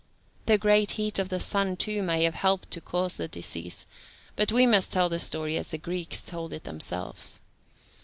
The great heat of the sun, too, may have helped to cause the disease; but we must tell the story as the Greeks told it themselves.